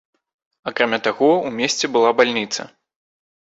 Акрамя таго, у месце была бальніца.